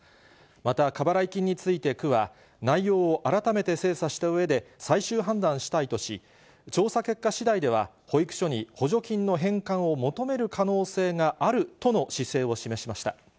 また、過払い金について、区は、内容を改めて精査したうえで最終判断したいとし、調査結果しだいでは、保育所に補助金の返還を求める可能性があるとの姿勢を示しました。